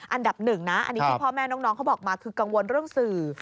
อันดับหนึ่งนะอันนี้ที่พ่อแม่น้องเขาบอกมาคือกังวลเรื่องสื่อ